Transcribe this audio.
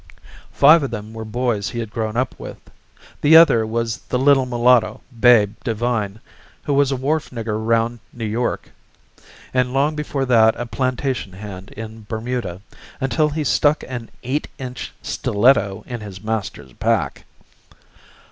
Five of them were boys he had grown up with; the other was the little mulatto, Babe Divine, who was a wharf nigger round New York, and long before that a plantation hand in Bermuda, until he stuck an eight inch stiletto in his master's back.